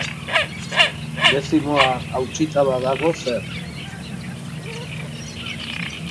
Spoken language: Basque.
Dezimoa hautsita badago, zer?